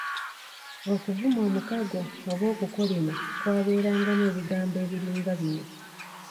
Okuvuma omukago oba okukolima kwabeerangamu ebigambo ebiringa bino.